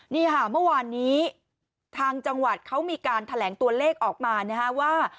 นี่ค่ะเมื่อวานนี้ทางจังหวัดเขามีการแถลงตัวเลขออกมานะฮะว่า